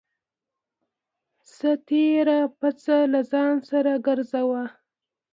څه تېره پڅه له ځان سره گرځوه.